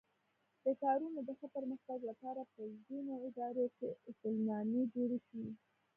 د کارونو د ښه پرمختګ لپاره په ځینو ادارو کې اصولنامې جوړې شوې.